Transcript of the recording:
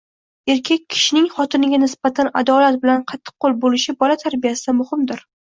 Erkak kishining xotiniga nisbatan adolat bilan qattiqqo‘l bo‘lishi bola tarbiyasida muhimdir.